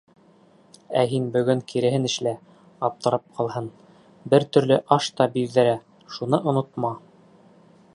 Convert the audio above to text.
— Ә һин бөгөн киреһен эшлә, аптырап ҡалһын, бер төрлө аш та биҙҙерә, шуны онотма!